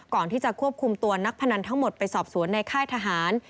ก่อนที่จะควบคุมตัวนักพนันทั้งหมดไปสอบสวนในค่ายทหาร